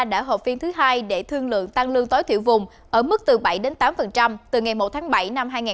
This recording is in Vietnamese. đã hộp phiên thứ hai để thương lượng tăng lương tối thiểu vùng ở mức từ bảy tám từ ngày một bảy hai nghìn hai mươi hai